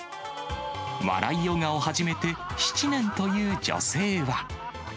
笑いヨガを始めて７年という女性は。